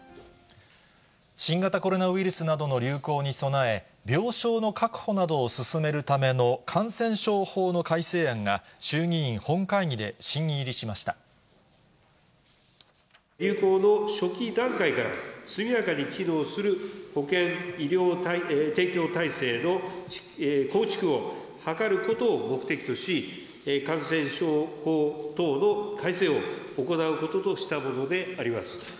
新型コロナウイルスなどの流行に備え、病床の確保などを進めるための感染症法の改正案が、流行の初期段階から、速やかに機能する保健医療提供体制の構築を図ることを目的とし、感染症法等の改正を行うこととしたものであります。